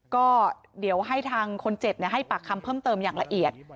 ก็เดี๋ยวให้ทางคนเจ็บให้ปากคำเพิ่มเติมอย่างละเอียด